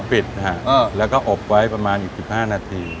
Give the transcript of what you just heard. ปิดนะฮะแล้วก็อบไว้ประมาณอีก๑๕นาที